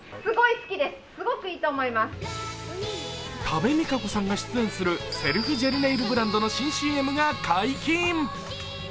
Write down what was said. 多部未華子さんが出演するセルフジェルネイルブランドの新ＣＭが解禁。